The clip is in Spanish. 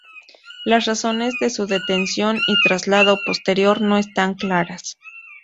Las razones de su detención y traslado posterior no están claras.